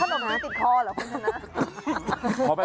ขนมน้ำติดคอเหรอคุณธนา